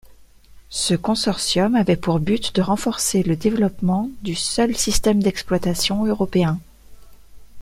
Ce consortium avait pour but de renforcer le développement du seul système d'exploitation européen.